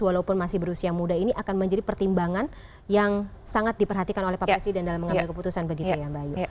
walaupun masih berusia muda ini akan menjadi pertimbangan yang sangat diperhatikan oleh pak presiden dalam mengambil keputusan begitu ya mbak ayu